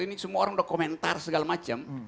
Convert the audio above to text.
ini semua orang udah komentar segala macam